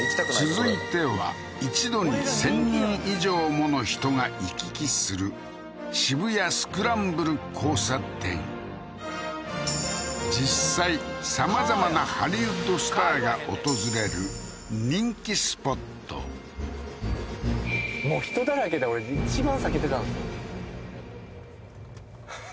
続いては一度に１０００人以上もの人が行き来する渋谷スクランブル交差点実際さまざまなハリウッドスターが訪れる人気スポット人だらけで俺一番避けてたんですよふふ